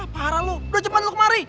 parah lo do cepet lo kemari